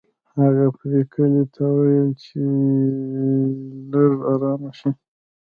هغه پريګلې ته وویل چې لږه ارامه شي